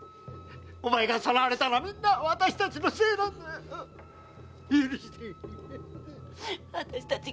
お前がさらわれたのはみんな私たちのせいなんだ。